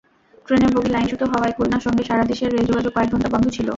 ট্রেনের বগি লাইনচ্যুত হওয়ায় খুলনার সঙ্গে সারা দেশের রেলযোগাযোগ কয়েক ঘণ্টা বন্ধ ছিল।